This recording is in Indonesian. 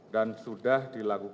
dan sudah dilakukan